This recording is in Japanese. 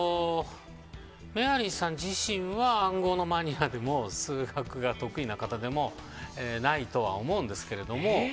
メアリーさん自身は暗号のマニュアルも数学が得意な方でもないとは思うんですけど。